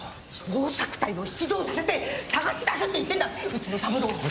捜索隊を出動させて捜し出せって言ってんだうちのサブローを。